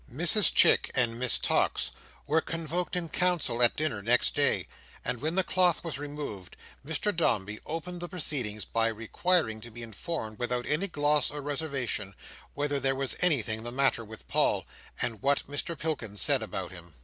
Mrs Chick and Miss Tox were convoked in council at dinner next day; and when the cloth was removed, Mr Dombey opened the proceedings by requiring to be informed, without any gloss or reservation, whether there was anything the matter with Paul, and what Mr Pilkins said about him.